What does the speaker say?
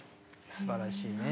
すばらしいね。